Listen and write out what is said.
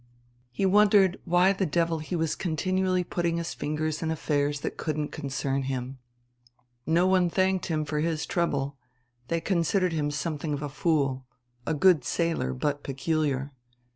He wondered why the devil he was continually putting his fingers in affairs that couldn't concern him. No one thanked him for his trouble, they considered him something of a fool a good sailor but peculiar.